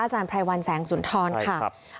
อาจารย์พรายวันแสงสุนทรค่ะ